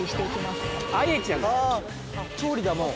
調理だもう。